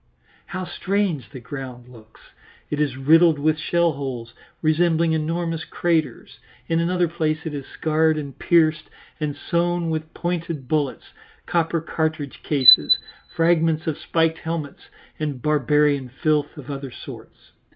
How strange the ground looks! It is riddled with shell holes, resembling enormous craters; in another place it is scarred and pierced and sown with pointed bullets, copper cartridge cases, fragments of spiked helmets, and barbarian filth of other sorts.